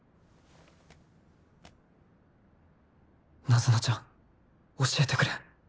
ナズナちゃん教えてくれ